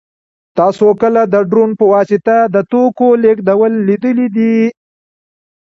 تاسو کله د ډرون په واسطه د توکو لېږدول لیدلي دي؟